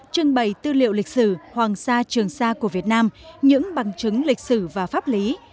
trưng bày tư liệu lịch sử hoàng sa trường sa của việt nam những bằng chứng lịch sử và pháp lý